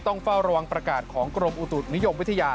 ต้องเฝ้าระวังประกาศของกรมอุตุนิยมวิทยา